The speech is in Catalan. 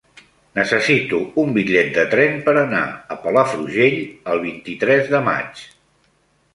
Necessito un bitllet de tren per anar a Palafrugell el vint-i-tres de maig.